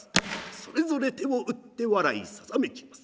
それぞれ手を打って笑いさざめきます。